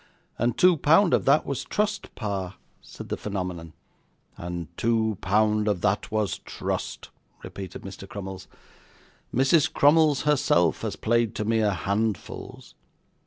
'And two pound of that was trust, pa,' said the phenomenon. 'And two pound of that was trust,' repeated Mr. Crummles. 'Mrs. Crummles herself has played to mere handfuls.